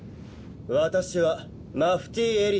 私はマフティー・エリンだ。